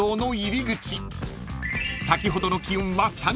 ［先ほどの気温は３０℃］